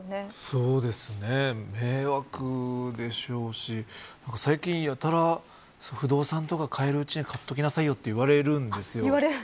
そうですね、迷惑でしょうし最近やたら、不動産とか買えるうちに買っときなさいよと言われるんですよ。